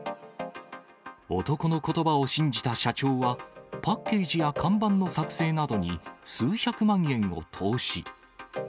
男のことばを信じた社長は、パッケージや看板の作成などに数百万円を投資。